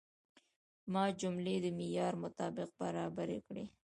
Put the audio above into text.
ما جملې د معیار مطابق برابرې کړې.